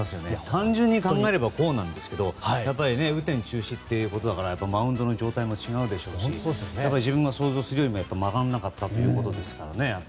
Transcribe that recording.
単純に考えればこうですが雨天中止なのでマウンドの状態も違うし自分が想像するよりも曲がらなかったということですからね。